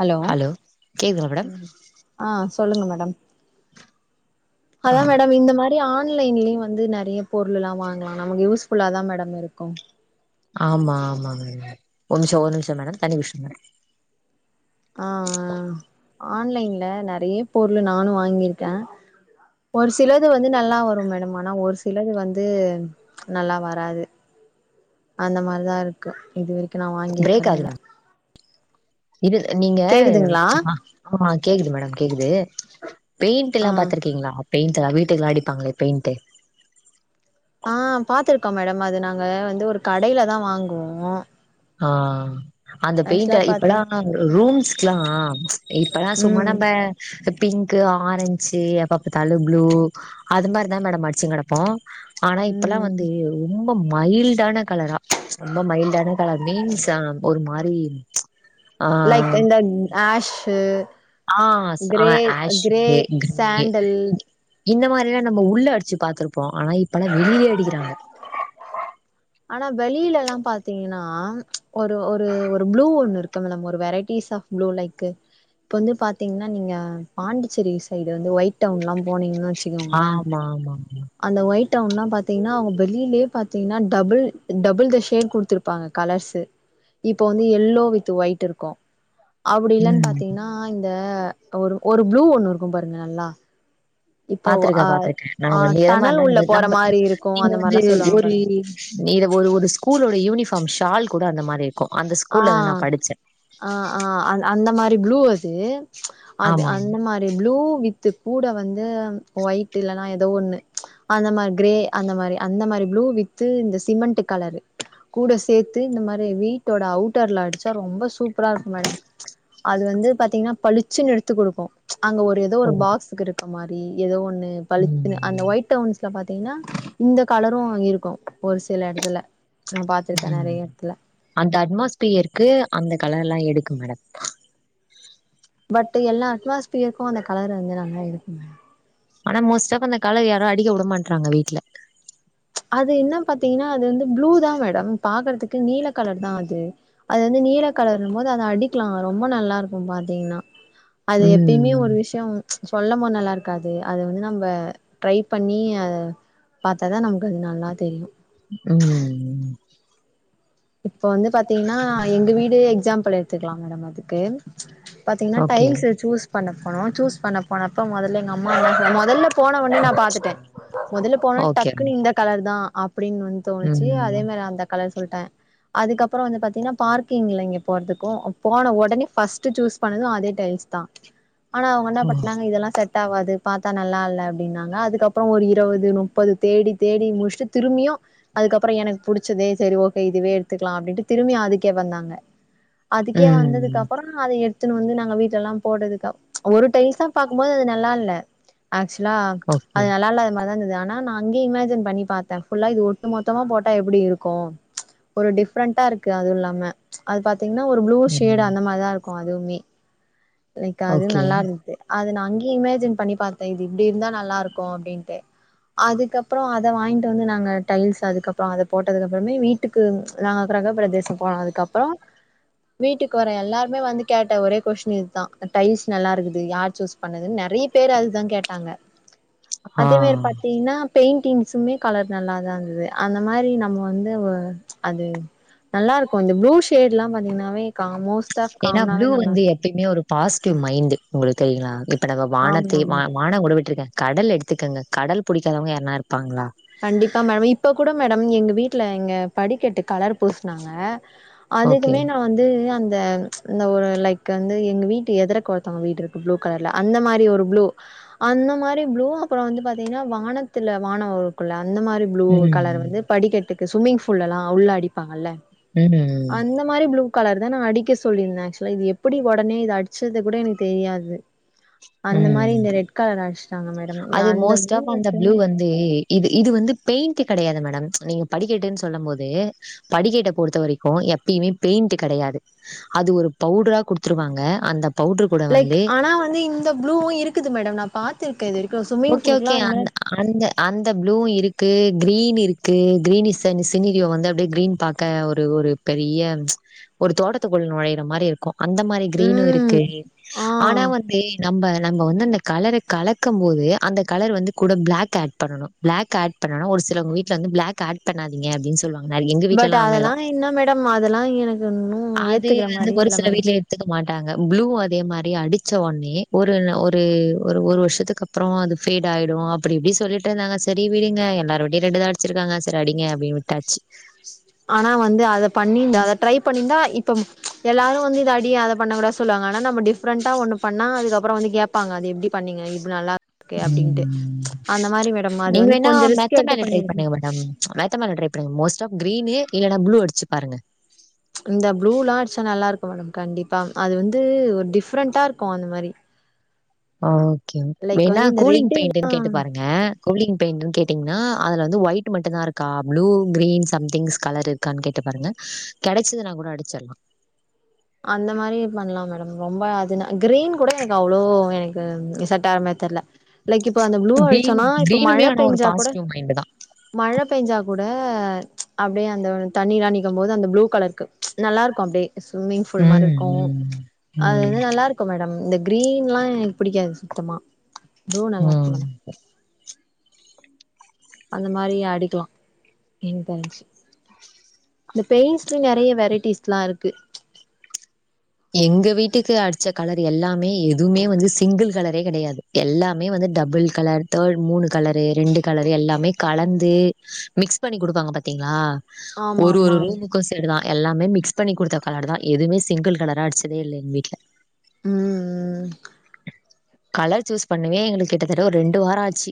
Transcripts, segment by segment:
Hello கேக்குதுங்களா madam ஆ சொல்லுங்க மேடம் ஆ ஹலோ மேடம் இந்த மார் எப்டி ஆன்லைன்லியு வந்து நறையா பொருள் எல்லா வாங்கலா நமக்கு யூஸ் ஃபுல்லா தா மேடம் இருக்கு ஆமா ஆமாங் மேடம் கொஞ்சோ ஒரு நிம்ஷோ மேடம் தண்ணி குடுச்சுட்டு வந்துற ஆ ஆ ஆன்லைன்ல நறையா பொருளு நானு வாங்கிருக்க ஒரு சிலது வந்து நல்லா வரு மேடம் ஆனா ஒரு சிலது வந்து நல்லா வராது அந்த மாரி தா இருக்கு இது வரைக்கு நா பிரேக் ஆகுது வாங்கிருக்குறதுல்லா மேம் இது நீங்க கேக்குதுங்களா ஆ கேக்குது மேடம் கேக்குது பெயிண்ட் ஆ எல்லா பாத்திருக்கீங்களா பெயிண்ட் எல்லா வீட்டுக்கெல்லா அடிப்பாங்களே பெயிண்ட்டு ஆ பாத்துருக்கோம் மேடம் அது நாங்க வந்து ஒரு கடையிலதா வாங்குவோ ஆ அந்த பெயிண்ட ஆக்சுவலா பாத்தே இப்பல்லா ரூம்ஸ்கெல்லா இப்பல்லா சும்மா ம் நம்ப இந்த பிங்க்கு ஆரஞ்சு எப்ப பாத்தாலு ப்ளூ அது மாரிதா மேடம் அடுச்சுன் கெடப்போ ஆனா இப்பல்லா ம் வந்து ரொம்போ மைல்டான கலரா ரொம்போ மைல்டான கலர் மீன்ஸ்ஸா ஒரு மாரி ஆ லைக் இந்த ஹேஷ்ஷு ஆஸ் ஆ ஏஷ் கே கிரே சாண்டல் க் இந்த மாரிலா நம்ம உள்ள அடுச்சு பாத்துருப்போ ஆனா இப்பெல்லா வெளியே அடிக்கிறாங்க ஆனா வெளியில எல்லாம் பாத்தீங்கன்னா ஒரு ஒரு ஒரு ப்ளூ ஒன்னு இருக்கு இல்ல நம்ம ஒரு வெரைட்டிஸ் ஆஃப் ப்ளூ லைக்கு இப்ப வந்து பாத்திங்னா நீங்க பாண்டிச்சேரி சைடு வந்து ஒயிட் டவுன் எல்லாம் போனீங்கன்னு வெச்சுக்கோங்கள ஆமா ஆமா அந்த ஒயிட் டவுன் எல்லாம் பாத்தீங்கன்னா அவுங்க வெளிலேயே பாத்தீங்கன்னா டபுள் டபுள்தா ஷேட் குடுத்துருப் பாங்க கலர்ஸ்ஸு இப்போ வந்து எல்லோ வித்து ஒயிட் இருக்கு அப்டி இல்லன் ம் பாத்தீங்கன்னா இந்த ஒரு ஒரு ப்ளூ ஒண்ணு இருக்கும் பாருங்க நல்லா இப்போ பாத்துருக்க ஆ பாத்துருக்க நா ஆ வந்து எத டனல் உள்ள மாரினா போற நம்ம மாரி இருக்கு நீங்க அந்த வந்து மாரிலா சொல்லுவாங்க ஒரு பாருங்க இத ஒரு ஒரு ஸ்கூலோட யூனிஃபார்ம் ஷால் கூட அந்த மாரி இருக்கும் அந்த ஸ்கூல்ல த நா படிச்சே அ அ அது அந்த மாரி ப்ளூ அது அது ஆமா அந்த மாரி அ ப்ளூ வித் கூட வந்து ஒயிட் இல்லன்னா ஏதோ ஒண்ணு அந்த மாரி கிரே அந்த மாரி அந்த மாரி ப்ளூ வித்து இந்த சிமெண்ட் கலரு கூட சேத்து இந்த மாரி வீட்டோட அவுட்டர்ல அடிச்சா ரொம்ப சூப்பரா இருக்கு மேடம் அது வந்து பாத்தீங்கன்னா பளிச்சுன்னு எடுத்து குடுக்கும் அங்க ஒரு ஏதோ ஓ ஒரு பாக்ஸ்க்கு இருக்க மாரி ஏதோ ஒண்ணு பளிச்சுன்னு அந்த ம் ஒயிட் ஓயிட்வுன்ஸ்ல பாத்தீங்கன்னா இந்த கலரும் இருக்கும் ஒரு சில எடத்துல நா பாத்திருக்கே ம் நெறைய எடத்துல அந்த அட்மாஸ்பியர்கு அந்த கலர் எல்லாம் எடுக்கும் மேடம் பட் எல்லா அட்மாஸ்பியருக்கும் அந்த கலர் வந்து நல்லா இருக்கு ஆனா மோஸ்டா இப்ப அந்த காலர் யாரும் அடிக்க வுடமாற்றாங்க வீட்டுல அது என்ன பாத்தீங்கன்னா அது வந்து ப்ளூ தா மேடம் பாக்குறதுக்கு நீல கலர் தா அது அது வந்து நீல களரும் போது அத அடிக்கலா ரொம்ப நல்லா இருக்கும் பாத்தீங்கன்னா அது எப்பயுமே ம் ஒரு விஷயம் சொல்ல போது நல்லா இருக்காது அத வந்து நம்ம ட்ரை பண்ணி அத பாத்தா தா நமக்கு அது நல்லா தெரியும் ம் ம் இப்போ வந்து பாத்தீங்கன்னா எங்க வீடு எக்ஸாம்பிள் எடுத்துக்கலாம் மேடம் அதுக்கு பாத்தீங்கன்னா ஓகே டைல்ஸ் சூஸ் பண்ண போனம் சூஸ் பண்ண போனப்ப மொதல்ல எங்க அம்மா மொதல்ல போன ஒன்னே நா பாத்துட்டே மொதல்ல போனோன்னே ஓகே டக்குன்னு இந்த கலர் தா அப்டின்னு தோணுச்சு ம் அதே மாரி அந்த கலர் சொல்லிட்டே அதுக்கப்பறோ வந்து பாத்தீங்கன்னா பார்க் க்கீங்கள இங்க போறதுக்கும் போன உடனே ஃபர்ஸ்ட்ட் சூஸ் பண்ணதும் அதே டைல்ஸ் தா ஆனா அவங்க என்ன ஓ! பண்ணாங்க இதெல்லாம் செட் டாவாது பாத்தா நல்லா இல்ல அப்டின்னாங்க அதுக்கப்பறோ ஒரு இருவது முப்பது தேடி தேடி முடிச்சட்டு திரும்பியும் அதுக்கப்பறோ எனக்கு புடிச்சதே சேரி ஓகே இதுவே எடுத்துக்கலா அப்டின்ட்டு திரும்பி அதுக்கே வந்தாங்க அதுக்கே ம் வந்ததுக்கப் ப்பறோ அத எடுத்துன்னு வந்து நாங்க வீட்லல்லா போடதுகப்ப‌ ஒரு டைல்ஸா பாக்கும்போது அது நல்லா இல்ல ஆக்சுவலா ஓகே அது நல்லா இல்லாத மாதிரிதா இருந்தது ஆனா நா அங்கயே இமேஜின் பண்ணி பாத்தே ஃபுல்லா இது ஒட்டு மொத்தமா போட்டா எப்டி இருக்கும் ஒரு டிஃப்ரெண்ட்டா இருக்கு அதுவும் இல்லாம அது பாத்தீங்கன்னா ஒரு ப்ளூ ஷேட் ம் அந்த மாறி தா இருக்கு க்கும் அதுவுமே லைக் அது ஓகே நல்லா இருந்தது அது நா அங்கயே இமேஜின் பண்ணி பாத்தே இது இப்டி இருந்தா நல்லா இருக்கும் அப்டின்ட்டு அதுக்கப்பறோ அத‌வாங்கிட்டு வந்து நாங்க டைல்ஸ் அதுக்கப்றோ அத போட்டதுக்கு அப்பறமே வீட் வீட்டுக்கு நாங்க கிரக பிரதேசம் போனதுக்கப்பறோ வீட்டுக்கு வர எல்லாருமே வந்து கேட்ட ஒரே கொஸ்டின் இதுதா டைஸ் நல்லா இருக்குது யார் சூஸ் பண்ணதுன்னு நெறைய பேர் அதுதா கேட்டாங்க ஆ அதே மேரி பாத்தீங்கன்னா பெயிண்டிங்ஸுமே கலர் நல்லா தா இருந்தது அந்த மாரி நம்ம வந்து அது நல்லா இருக்கும் இந்த ப்ளூ ஷேட் எல்லாம் பாத்தீங்கன்னாவே கா மோஸ்ட் ஆஃப் ஏன்னா ப்ளூ காமனாவே நல்லா வந்து இருக்கும். எப்பயுமே ஒரு பாசிட்டிவ் மைண்ட் உங்களுக்கு தெரியங்களா இப்ப நம்ம ஆமா, வானத்தே ஆமா. வா வா வானம் கூட விட்டுறுங்க கடல் எடுத்துக்கங்க கடல் பிடிக்காதவங்க யாருனா இருப்பாங்களா கண்டிப்பா மேடம் இப்ப கூட மேடம் எங்க வீட்ல எங்க படிக்கட்டு கலர் பூசுனாங்க ஓகே அதுக்குமே வந்து அந்த ஒரு லைக் வந்து எங்க வீட்டு எதற்க ஒருத்தவங்க வீட்டு இருக்கு ப்ளு கலர்ல அந்த மாரி ஒரு ப்ளு அந்த மாரி ப்ளு அப்பற வந்து பாத்தீங்கன்னா வானத்துல வானோ குல அந்த மாறி ப்ளூ கலர் ம் வந்து படிக்கட்டுக்கு சும்மிங் ஃபூல்லலா உள்ள அடிப்பாங்கல்ல உ உ இந்த மாரி ப்ளூ கலர் தா நா அடிக்க சொல்லிருந்தே ஆக்சுவலா இது எப்டி ஒடனே இத அடிச்சத கூட எனக்கு தெரியாது அந்த மாரி ம் இந்த ரெட் கலர் அடிச்சிட்டாங்க மேடம் அந்த‌ ப்ளு வக்காம தே இது இது வந்து பெயிண்ட் கெடையாது மேடம் நீங்க படிக்கட்டுன்னு சொல்லும் போது படிக்கட்ட பொறுத்த வரைக்கு எப்பயுமே பெயிண்ட் கெடையாது அத ஒரு பவுடரா கொடுத்துருவாங்க அந்த பவுடர் கூட லைக் வந்து ஆனா வந்து இந்த ப்ளூவு இருக்குது மேடம் நா பாத் ஓகே ஓகே அந்த அந்த அந்த ப்ளூ இருக்கு கிரீன் இருக்கு கிரீன்ஸ் ஸி ஸினிரியோ வந்து அப்டியே கிரீன் பாக் க ஒரு ஒரு பெரிய ஒரு தோட்டத்துக்குள்ள நுழையிற மாறி இருக்கு அந்த மாறி கிரீனு ம் இருக்கே ஆ ஆனா வந்து நம்ம நம்ம வந்து அந்த கலர கலக்கம் போது அந்த கலர் வந்து கூட பிளாக் ஆட் பண்ணனு பிளாக் ஆட் பண்ணனா ஒரு சிலவங்க வீட்ல வந்து பிளாக் காட் பண்ணாதீங்கப்படின்னு சொல்வாங்க [unintelligible] எங்க பட் வீட்லல்லா அது அதெல்லா மேரிதா என்ன மேடம் அதெல்லா எனக்கு இன்னு அது ஏத்துக்கிற வந்து மாரியே ஒரு இல்ல சில மேடம் வீட்ல கத்துக்க மாட்டாங்க ப்ளூ அதே மாரி அடிச்ச ஒன்னே ஒரு ஒரு ஒரு ஒரு வருஷத்துக்கு அப்பறோ அது ஃபேடாயிடு அப்டிப்டி சொல்லிட்டு இருந்தாங்க செரி விடுங்க எல்லாரு வீட்லயு ரெண்டு [unintelligible] வச்சிருக்காங்க சார் அடிங்க அப்டின்னு விட்டாச்சு ஆனா வந்து அத பண்ணிந்தா அத ட்ரை பண்ணிந்தா இப்ப எல்லாரு வந்து இத அடிய அத பண்ண கூடாது சொல்லாங்க ஆனா நம்ம டிஃப்ரண்டா ஒண்ணு பண்ணா அதுக்கப்பறோ வந்து கேப்பாங்க அது எப்டி பண்ணீங்க இப்ப நல்லா கே அப்டின்ட்டு ம். அந்த மாரி மேடம் அது வந்து கொஞ்ச ரிஸ்க் எடுத்து பண்ணிருக்க மேத்த மேல ட்ரை பண்ணுங்க மோஸ்ட் ஆப் கிரீனு இல்லன்னா ப்ளூ அடிச்சு பாருங்க இந்த ப்ளூலா அடிச்ச நல்லா இருக்கு மேடம் கண்டிப்பா அது வந்து ஒரு டிஃப்ரெண்ட்டா இருக்கு அந்த மாறி ஓகே வேணா வந்து இந்த ரெட் கூலிங் பெயிண்டுன்னு கேட்டுப் பாருங்க கோலிங் பெயிண்ட்டுன்னு கேட்டீங்கன்னா அதுல வந்து ஒயிட் மட்டு தா இருக்கா ப்ளூ கிரீன் சம்திங்ஸ் கலரு கன் கேட்டு பாருங்க கிடைச்சது நா கூட அடிச்சிர்லா அந்த மாரி பண்ணலா மேடம் ரொம்ப அதுனா கிரீன் கூட எனக்கு அவ்ளோ எனக்கு செட் ஆகுற மாறி தெர்ல இலைக்கு இப்ப அந்த ப்ளூ கிரீன் அழிச்சோனா இப்ப கிரீனுமே மழ ஆனா ஒரு பெஞ்சா கூட பாசிட்டிவ் மைண்ட் தான் மழ பெஞ்சா கூட அப்டியே அந்த தண்ணீலா நிக்கும்போது அந்த ப்ளூ கலருக்கு நல்லா இருக்கு அப்டியே சுமு ஒரு மாரி ம் இருக்கு ம் அது ம் வந்து நல்லா இருக்கு மேடம் இந்த கிரீன்லா எனக்கு பிடிக்காது சுத்தமா ப்ளூ உ நல்லா இருக்கு மேடம் அது மாறி அடிக்கலா என் [unintelligible] இந்த பெண்ட்ஸ்லயு நெறைய வெரைட்டிஸ்லா இருக்கு எங்க வீட்டுக்கு அடிச்ச கலர் எல்லாமே எதுவுமே வந்து சிங்கிள் கலரே கெடையாது எல்லாமே வந்து டபுள் கலர் தேர்ட் மூணு கலரு ரெண்டு கலரு எல்லாமே கலந்து மிக்ஸ் பண்ணி கொடுப்பாங்க பாத்தீங்களா ஆமா ஒரு ஒரு ஆமா ரூமுக்கு சீடு தா எல்லாமே மிக்ஸ் பண்ணி குடுத்த கலர் தா எதுமே சிங்கிள் கலர் நா அடிச்சதே இல்ல எங்க வீட்ல உ உ கலர் சூஸ் பண்ணுவே எங்களுக்கு கிட்டத்தட்ட ஒரு ரெண்டு வாரோ ஆச்சு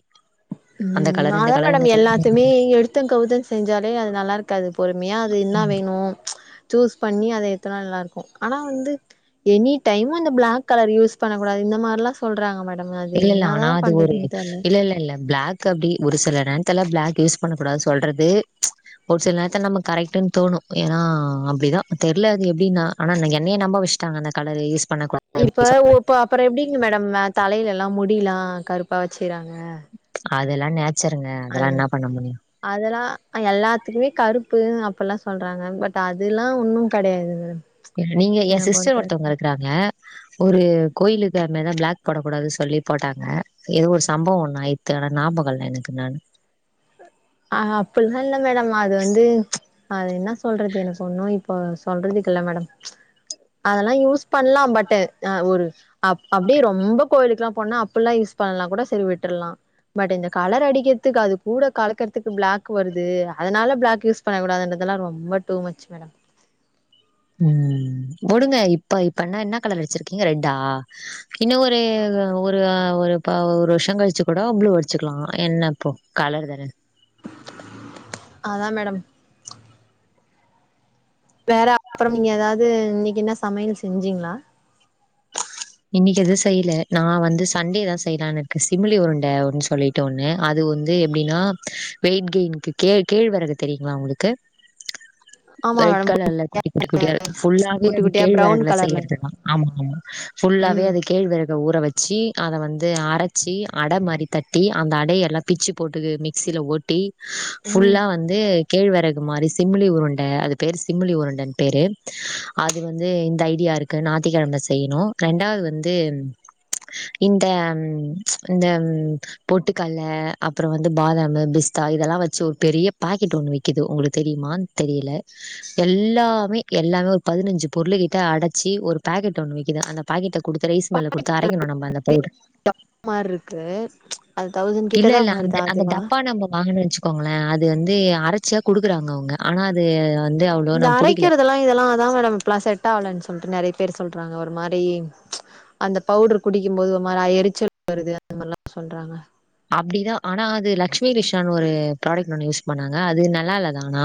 அந்த உ கலர் இந்த அதா கலர் மேடம் இந்த கலர் எல்லாத்துமே எடுத் எத்தோ கவ்த்தோன் செஞ்சாலே அது நல்லாருக்காது பொறுமியா அது இன்னா வேணு சூஸ் பண்ணி அத எத்தனா நல்லாருக்கும் ஆனா வந்து எனி டைமு இந்த ப்ளாக் கலர் யூஸ் பண்ணக்கூடாது இந்த மார்லாஸ் சொல்றாங்க மேடம் அ இல்ல இல்ல ஆனா அது ஒரு இல்லல்லல்ல ப்ளாக் கு அப்டி ஒரு சில நேர்த்ல ப்ளாக் யூஸ் பண்ண கூடாது சொல்றது ஒரு சில நேர்த்ல நம்க் கரெக்ட்டுன் தோணு எனா அப்டிதா தெர்ல அது எப்டின்னா ஆனா என்னய நம்ப வெஷ்ட்டாங்க அந்த கலரு யூஸ் பண்ண கூடா இப்ப ஓ இப்ப அப்பறோ எப்டிங்க மேடம் நா தலைல எல்லாம் முடியில்லா கருப்பா வெச்சிக்றாங்க அதுல்லா நேச்சருங்க அதல்லா இன்னா பண்ண முடியு அதுல்லா அ எல்லாத்துக்குமே கருப்பு அப்புல்லா சொல்றாங்க பட் அதுல்லா ஒன்னு கடையாது மேடம் நீங்க என் என்ன சிஸ்டர் பொறுத்த வரைக்கு ஒருத்தவ்ங்கருக்றாங்க ஒரு கோயிலுக்கு அத்மேர்தா ப்ளாக் போடக் கூடாது சொல்லி போட்டாங்க எதோ ஒரு சம்பவு ஒண்ணு ஆயித்து ஆனா நாபகோல்ல எனக்கு நானு ஆ அப்புல்லா இல்ல மேடம் அது வந்து அது இன்னா சொல்றது எனக்கு ஒன்னு இப்போ சொல்றதுக்கு இல்ல மேடம் அதல்லா யூஸ் பண்லா பட்டு ஆ ஒரு அப் அப்டே ரொம்ப கோயிலுக்ல்லா போனோ அப்புல்லா யூஸ் பண்ணா கூட செரி விட்ருலா பட் இந்த கலர் அடிக்கிர்துக் அது கூட கலக்கர்த் துக்கு ப்ளாக் வருது அதனால ப்ளாக் யூஸ் பண்ணக் கூடாதுன்றதெல்லா ரொம்ப டூ ‌மச் மேடம் ம் உடுங்க இப்ப இப்பன்னா இன்னா கலர் அட்ச்சிருக்கிங்க ரெட்டா இன்னு ஒரு [unintelligible] ஆமா தா மேடம் ஒரு ஆ ஒரு இப்போ ஒரு வர்ஷ்ஷோ கழிச்சு கூடோ ப்ளூ அடிச்சுக்லா என்ன இப்போ கலரு தான அதா மேடம் வேற அப்றம் நீங்க எதாவ்து இன்னிக் என்ன சமயல் செஞ்சிங்ளா இன்னிக்கு எது செய்ல நா வந்து சண்டே தா செய்லான் இருக்கு சிம்மிலி உருண்ட ஒன் சொல்லிட் டோண்ணே அது வந்து எப்டினா வெய்ட்கெய்ன்க்கு கே கேழ்வரகு தெரியுங்ளா உங்ளுக்கு ஆமா ரெட் மேடம் கலர்ல குட்டி குட்டி குட்டியா ஃபுல்லாவே குட்டி அது குட்டியா பிரவுன் கேழ்வெரகுல கலர்ல செய்யர்து தா ஆமா ஆமா ஃபுல்லாவே ம் அது கேழ்வெரக ஊற வெச்சி அத வந்து அரச்சி அட மாறி தட்டி அந்த அட எல்லாத் பிச்சு போட்டுகு மிக்சில ஓட்டி ம் ஃபுல்லா வந்து கேழ்வெரகு மாரி சிம்மிலி உருண்ட அது பேரு சிம்மிலி உருண்டன் பேரு அது வந்து இந்த ஐடியாருக் நாத்திக்கெழம் தா செய்யணு ரெண்டாவது வந்து இந்த இந்தம் பொட்டுக்கல்ல அப்றோ வந்து பாதாமு பிஸ்தா இதெல்லா வெச்சு ஒரு பெரிய பாக்கெட் ஒண்ணு விக்கிது உங்ளுக் தெரியுமான் தெரியல எல்லாமே எல்லாமே ஒரு பதினஞ்சு பொருள் கிட்ட அடச்சி ஒரு பேக்கெட் ஒண்ணு விக்கிது அந்த பாக்கெட்ட குடுத்து ரைஸ் மில்ல குடுத்து அரைக்கணு நம்ம அந்த பவுட்ரு டப் மார்ருக்கு அது தௌசண் இல்ல இல்ல அந்த அந்த டப்பா நம்ப வாங்கணு வெச்சு க்கோங்ளே அது வந்து அரச்சியா குடுக்குறாங்க அவுங்க ஆனா அது வந்து அவ்ளோவு இந்த நா புடிக்கல அரைக்கிறதெல்லா இதெல்லா அதா மேடம் இப்பல்லா செட் ஆவலன் சொல்ட்டு நெறய பேரு சொல்றாங்க ஒரு மாதி அந்த பவுட்ரு குடிக்கிம்போது ஒரு மாரியா எரிச்சல் வருது அந்த மார்லா சொல்றாங்க அப்டிதா ஆனா அது லக்ஷ்மி ரிஷான்னு ஒரு ப்ராடக்ட் ஒன்னு யூஸ் பண்ணாங்க அது நல்லா இல்லதா ஆனா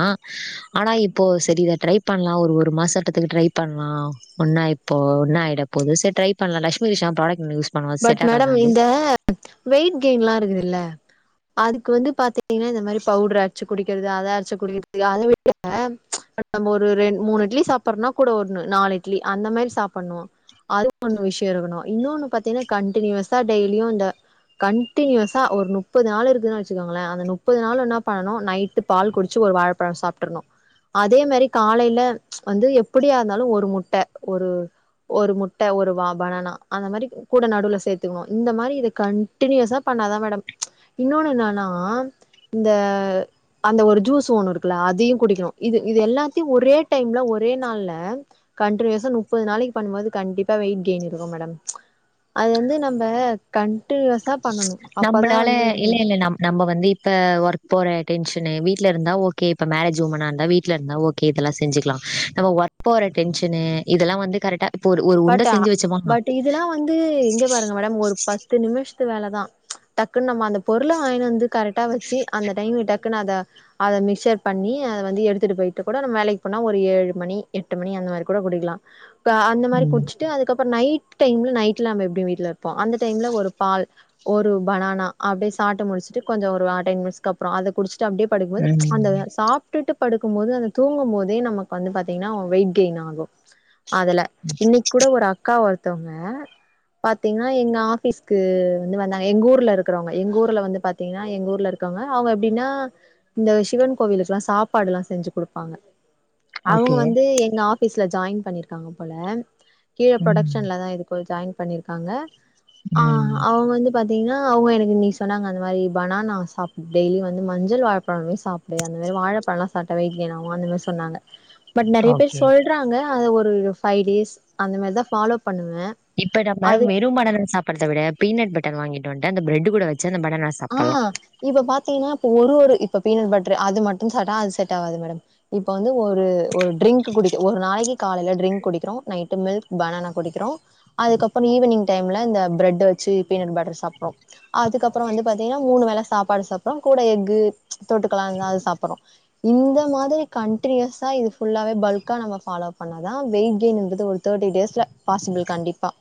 ஆனா இப்போ சரி இத ட்ரை பண்லா ஒரு ஒரு மாசத்துக்கு ட்ரை பண்ணலா ஒன்னா இப்ப ஒன்னு ஆயிட போது சரி ட்ரை பண்ணலா லஷ்மி ரிஷான்னு ப்ராடகட் ஒன்னு பட் மேடம் இந்த வெயிட் கெயின்லா இருந்துதுல்ல அதுக்கு வந்து பாத்தீங்கன்னா இந்த மாதிரி பவுட்ர ச்சு குடிக்கிறது அத அரச்சு குடிக்கிறது அத விட நம்ம ஒரு ரெண் மூணு இட்லி சாப் புறோனா கூட ஒண்ணு நாலு இட்லி அந்த மாரி சாப்பிண்ணு அது ஒனூ விஷயோ இருக்கணு இன்னொன்னு பாத்தீன்னா கண்டினியூவஸா டெய்லீயு இந்த கண்டினியூவஸா ஒரு முப்பது நாள் இருக்குதுன்னு வச்சுக்கோங்களே அந்த முப்பது நாளு என்னா பண்ணனு நைட் டு பால் குடிச்சு ஒரு வாழபழோ சாப்ட்ரணு அதே மாரி காலையில வந்து எப்டியா இருந்தாலு ஒரு முட்ட ஒரு ஒரு முட்ட ஒரு வா பனனா அந்த மாரி கூட நடுவுல சேத்துக்கணு இந்த மாரி இத கண்டினியூவஸா பண்ணாதா மேடம் இன்னொன்னு என்னான்னா இந்த அந்த ஒரு ஜூஸ் ஒண்ணு இருக்குல்ல அதையு குடிக்கணு இது இது எல்லாத்தையு ஒரே டைம்ல ஒரே நாள்ல கண்டினியூவஸா முப்பது நாளைக்கு பண்ணும்போது கண்டிப்பா வெயிட் கெயின் இருக்கு மேடம் அது வந்து நம்ப கன்டினியூவஸா பண்ணணு அப்பதா நம்மளால வந்து இல்ல இல்ல நம் நம்ப வந்து இப் இப்ப ஒர்க் போற டென்ஷனு வீட்டுல இருந்தா ஓகே இப்ப மேரஜ் உமனா இருந்தா வீட்டுல இருந்தா ஓக் இதெல்லா செஞ்சுக்லா நம்ம ஒர்க் போர டென்ஷனு இதெல்லா வந்து கரெக்டா இப்போ ஒரு ஒரு உருண்ட பட் ஆ செஞ்சு வச்சோமா பட் இ இதெல்லா வந்து இங்க பாருங்க மேடம் ஒரு பத்து நிமிஷத்து வேலதா டக்குன்னு நம்ம அந்த பொருள வாங்கிட்டு வந்து கரெக்டா வச்சு அந்த டைம்ல டக்குன்னு அத அத மிக்சர் பண்ணி அத வந்து எடுத்துட்டு போய்ட்டு கூட நம்ம வேலைக்கு போனா ஒரு ஏழு மணி எட் எட்டுமணி அந்த மாரி கூட குடிக்கலா இப்ப அந்த மாரி ம். ட்டு அதுக்கு அப்புறோ நைட்டு டைம்ல நைட்ல நம்ம எப்டியு வீட்டுல இருப்போ அந்த டைம்ல ஒரு பால் ஒரு பனானா அப்டியே சாப்ட்டு முடிச்சுட்டு கொஞ்சோ ஒரு டென் மினிட்ஸ்கு அப்புறோ அத குடிச்சுட்டு அப்டியே படுக்கும் போதும் அந்த ம். சாப் ட்டுட்டு படுக்கும் போது அது தூங்கும் போதே நமக்கு வந்து பாத்தீங்கன்னா வெயிட் கெயின் ஆகு அதுல இன்னைக் கூட ஒரு அக்கா ஒருத்தவங்க பாத்தீங்கன்னா எங்க ஆஃபீஸ்க்கு வந்து வந்தாங்க எங்க ஊர்ல இருக்கிறவுங்க எங்க ஊர்ல வந்து பாத்தீ பாத்தீங்கன்னா எங்க ஊர்ல இருக்கவங்க அவங்க எப்டின்னா இந்த சிவன் கோவிலுக்ல்லா சாப்பாடுல்லா செஞ்சு கொடுப்பாங்க அவுங்க ஓகே. வந்து எங்க ஆஃபீஸ்ல ஜாயின் பண்ணிருக்காங்க போல கீழ ம். புரொடக்ஷன்ல தா எதுக்கோ ஜாயின் பண்ணிருக்காங்க ஆ ம். அவுங்க வந்து பாத்தீங்கன்னா அவங்க எனக்கு இன்னக்கி சொன்னாங்க அந்த மாரி பனானா சாப்டு டெய்லி வந்து மஞ்சள் வாழப்பழமே சாப்டு தே அந்த மாரி வாழப்பழோல்லா சாப்ட்டா வெயிட் கெயின் ஆவு அந்த மாரி சொன்னாங்க பட் நிறைய பேர் ஓகே. சொல்றாங்க அத ஒரு ஃபைவ் டேஸ் அந்த மாரிதா ஃபாலோ பண்ணுவே இப்ப நம்ப அது வெறும் பனானவ சாப்புடுறத விட பீனட் பட்டன் வாங்கிட்டு வந்துட்டு அந்த பிரெட் கூட வச்சு அந்த பனானாஸ் ஆஹ் இப்ப பாத்தீங்கன்னா இப்ப ஒரு ஒரு இப்ப பீனட் பட்டரு அது மட்டு சாப்ட்டா அது செட் ஆவாது மேடம் இப்ப வந்து ஒரு ஒரு ட்ரிங்க்கு குடிக்கு ஒரு நாளைக்கு காலையில ட்ரிங்க் குடிக்கிறோ நைட்டு மில்க் பனானா குடிக்கிறோ அதுக்கப்புறோ ஈவினிங் டைம்ல இந்த பிரெட்ட வச்சு பீனட் பட்டரு சாப்புறோ அதுக்கு அப்புறோ வந்து பாத்தீங்கன்னா மூணு வேல சாப்பாடு சாப்பிறோம் கூட எஃகு தொட்டுக்கலா இருந்தா அது சாப்புறோ இந்த மாதிரி கண்டினியுஸா இது ஃபுல்லாவே பல்கா நம்ம ஃபாலோ பண்ணாதா வெய்ட்கெய்ன்றது ஒரு தேட்டி டேஸ்ல பாசிபிள் கண்டிப்பா